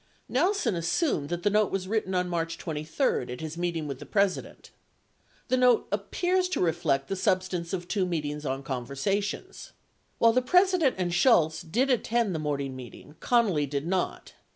47 Nelson assumed that the note was written on March 23 at his meet ing with the President. 48 The note appears to reflect the substance of two meetings on conversations. While the President and Shultz did attend the morning meeting, Connally did not.